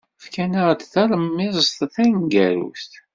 Fkan-aɣ-d talemmiẓt taneggarut.